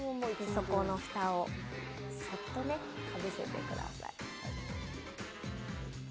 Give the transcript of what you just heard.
そこのフタをそっと乗せてください。